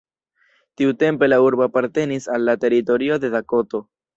Tiutempe la urbo apartenis al la teritorio de Dakoto.